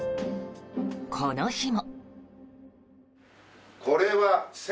この日も。